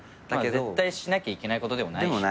絶対しなきゃいけないことでもないしね。